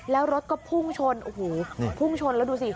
แล้วรถก็พุ่งชนโอ้โหพุ่งชนแล้วดูสิ